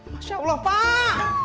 masya allah pak